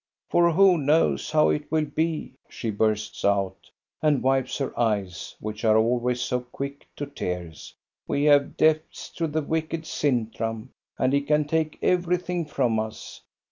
" For who knows how it will be ?" she bursts out, and wipes her eyes, which are always so quick to tears. "We have debts to the wicked Sintram, and he can take everything from us.